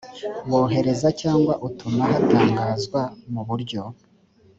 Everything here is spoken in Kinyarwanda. wohereza cyangwa utuma hatangazwa mu buryo